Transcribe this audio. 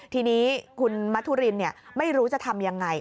ทีนี้คุณมัธุรินไม่รู้จะทำยังไง